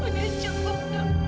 udah cukup dok